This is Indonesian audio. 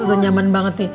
itu nyaman banget nih